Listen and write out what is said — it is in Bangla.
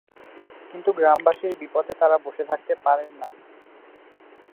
কিন্তু গ্রামবাসীর বিপদে তারা বসে থাকতে পারেন না।